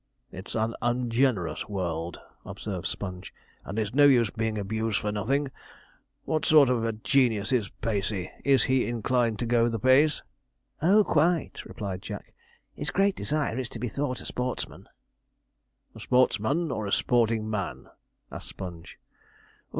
'It's an ungenerous world,' observed Sponge, 'and it's no use being abused for nothing. What sort of a genius is Pacey? Is he inclined to go the pace?' 'Oh, quite,' replied Jack; 'his great desire is to be thought a sportsman.' 'A sportsman or a sporting man?' asked Sponge.